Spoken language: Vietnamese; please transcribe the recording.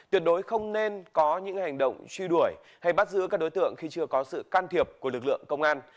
tuyệt đối không nên có những hành động truy đuổi hay bắt giữ các đối tượng khi chưa có sự can thiệp của lực lượng công an